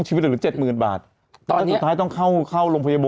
ก็เหลือให้นางละครับ